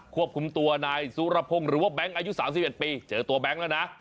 ควบคุมตัวนายสุรพงศ์หรือว่าแบงค์อายุ๓๑ปีเจอตัวแบงค์แล้วนะ